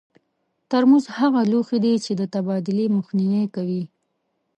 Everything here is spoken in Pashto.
ترموز هغه لوښي دي چې د تبادلې مخنیوی کوي.